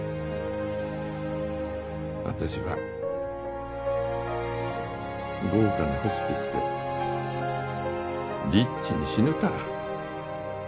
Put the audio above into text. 私は豪華なホスピスでリッチに死ぬから。